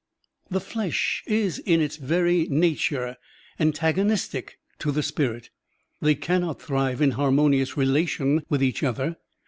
The flesh is in its very nature antagonistic to the spirit. They cannot thrive in harmoniotis rela tion with each other.